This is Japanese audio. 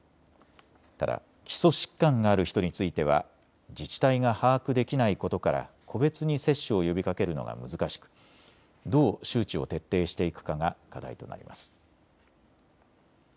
ただ基礎疾患がある人については自治体が把握できないことから個別に接種を呼びかけるのが難しくどう周知を徹底していくかが課題となります。